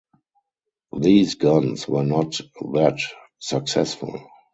These guns were not that successful.